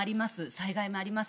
災害もあります